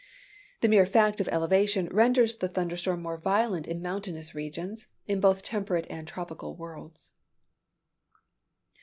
The mere fact of elevation renders the thunder storm more violent in mountainous regions, in both temperate and tropical worlds.